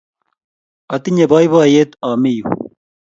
Atinye poipoiyet aami yu